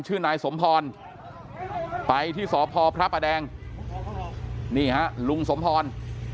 ชื่อนายสมพรไปที่สพพระประแดงนี่ฮะลุงสมพร